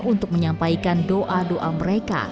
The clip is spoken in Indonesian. untuk menyampaikan doa doa mereka